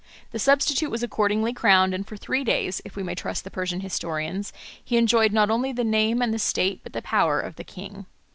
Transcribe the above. The substitute was accordingly crowned, and for three days, if we may trust the Persian historians, he enjoyed not only the name and the state but the power of the king.